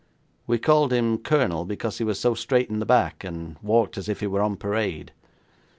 We called him Colonel because he was so straight in the back, and walked as if he were on parade.